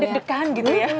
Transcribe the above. deg degan gitu ya